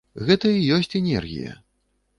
Гэта і ёсць энергія.